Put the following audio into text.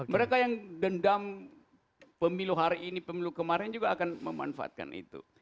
mereka yang dendam pemilu hari ini pemilu kemarin juga akan memanfaatkan itu